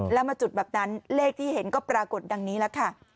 แล้วมาจุดแบบนั้นเลขที่เห็นก็ปรากฏดังนี้แล้วค่ะ